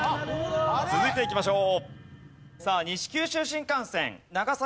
続いていきましょう。